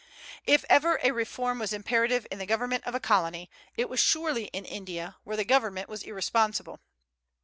If ever a reform was imperative in the government of a colony, it was surely in India, where the government was irresponsible.